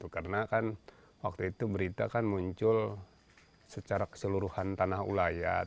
karena kan waktu itu berita muncul secara keseluruhan tanah ulayat